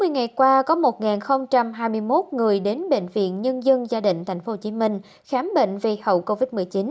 hai mươi ngày qua có một hai mươi một người đến bệnh viện nhân dân gia định tp hcm khám bệnh vì hậu covid một mươi chín